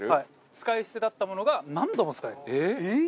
使い捨てだったものが何度も使える。